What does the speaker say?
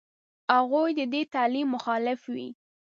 هغوی دې د تعلیم مخالف وي.